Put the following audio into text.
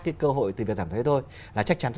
cái cơ hội từ việc giảm thuế thôi là chắc chắn thôi